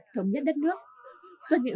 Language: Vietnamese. thống nhất đất nước suốt những